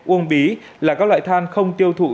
uông bí là các loại than không tiêu thụ